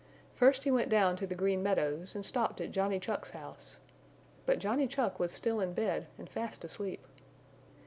First he went down to the Green Meadows and stopped at Johnny Chuck's house. But Johnny Chuck was still in bed and fast asleep.